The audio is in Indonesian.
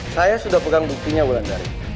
saya sudah pegang buktinya bulan dari